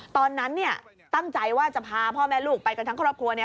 ตอนนั้นตั้งใจว่าจะพาพ่อแม่ลูกไปกันทั้งครอบครัว